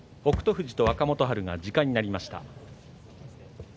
富士と若元春が時間になりました。